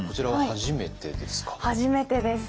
初めてです。